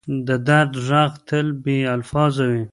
د درد ږغ تل بې الفاظه وي.